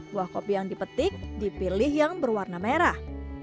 buah kopi yang dipetik dipilih yang berwarna merah